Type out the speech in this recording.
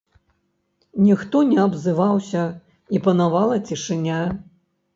Ніхто не абзываўся, і панавала цішыня.